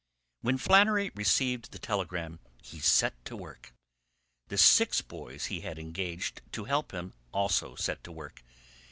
When Flannery received the telegram he set to work. The six boys he had engaged to help him also set to work.